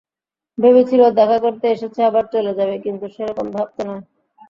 ভেবেছিল, দেখা করতে এসেছে আবার চলে যাবে, কিন্তু সেরকম ভাব তো নয়।